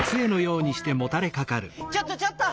ちょっとちょっと！